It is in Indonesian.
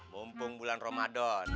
mumpung bulan ramadan